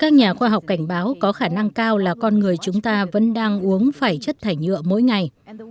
các nhà khoa học cảnh báo có khả năng cao là con người chúng ta vẫn đang uống phải chất thải nhựa mỗi ngày